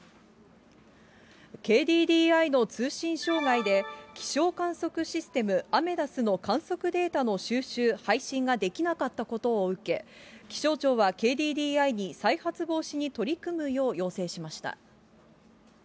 ＫＤＤＩの通信障害で、気象観測システム、アメダスの観測データの収集、配信ができなかったことを受け、気象庁はＫＤＤＩに再発防止に取り組むよう要請しました。